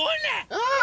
うん！